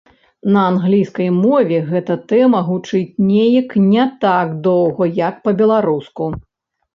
На англійскай мове гэта тэма гучыць неяк не так доўга, як па-беларуску.